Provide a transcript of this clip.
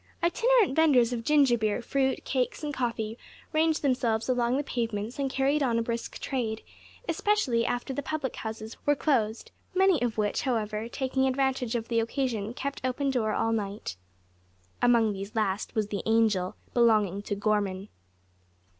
Itinerant vendors of ginger beer, fruit, cakes, and coffee ranged themselves along the pavements and carried on a brisk trade especially after the public houses were closed, many of which, however, taking advantage of the occasion, kept open door all night. Among these last was the "Angel," belonging to Gorman.